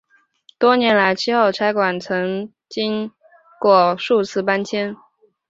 多年来七号差馆曾经过数次搬迁。